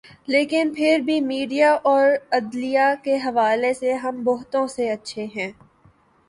لیکن پھر بھی میڈیا اور عدلیہ کے حوالے سے ہم بہتوں سے اچھے ہیں۔